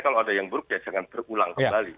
kalau ada yang buruk ya jangan terulang kembali